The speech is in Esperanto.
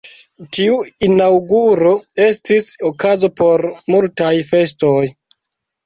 Tiu inaŭguro estis okazo por multaj festoj.